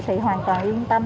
thì hoàn toàn yên tâm